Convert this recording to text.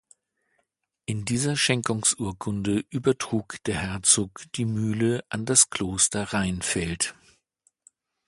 In dieser Schenkungsurkunde übertrug der Herzog die Mühle an das Kloster Reinfeld.